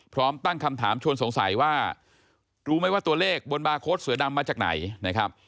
พร้อมตั้งคำถามชวนสงสัยว่ารู้ไหมว่าตัวเลขบนบาร์โค้ดเสือดำมาจากไหนนะครับ